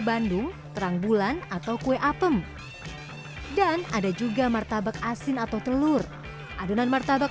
bandung terang bulan atau kue apem dan ada juga martabak asin atau telur adonan martabak